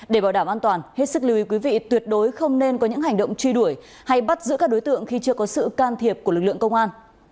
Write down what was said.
để bảo đảm an toàn hết sức lưu ý quý vị tuyệt đối không nên có những hành động truy đuổi hay bắt giữ các đối tượng khi chưa có sự can thiệp của lực lượng công an